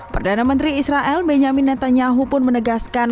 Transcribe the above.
perdana menteri israel benyamin netanyahu pun menegaskan